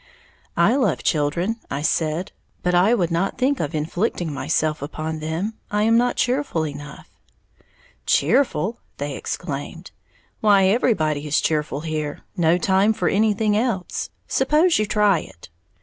"I love children," I said, "but I would not think of inflicting myself upon them, I am not cheerful enough." "Cheerful!" they exclaimed, "why, everybody is cheerful here, no time for anything else! Suppose you try it!"